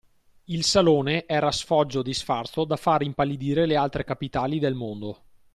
Il salone era sfoggio di sfarzo da far impallidire le altre capitali del mondo.